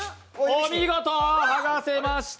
お見事、剥がせました。